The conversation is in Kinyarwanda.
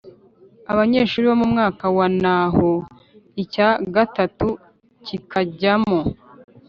abanyeshuri bo mu mwaka wa naho icya gatatu kikajyamo